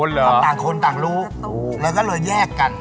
แล้วก็เลยแยกกัน